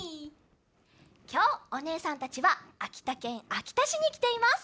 きょうおねえさんたちはあきたけんあきたしにきています。